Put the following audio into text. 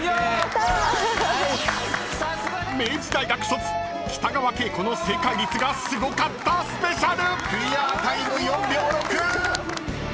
［明治大学卒北川景子の正解率がすごかったスペシャル！］